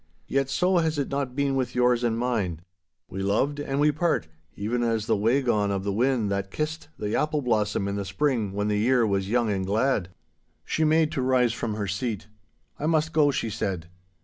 Yet so has it not been with yours and mine. We loved and we part, even as the way gaun of the wind that kissed the apple blossom in the spring when the year was young and glad.' She made to rise from her seat. 'I must go,' she said.